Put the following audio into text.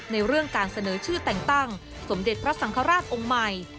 เรื่องการเสนอชื่อแต่งตั้งสมเด็จพระสังฆราชองค์ใหม่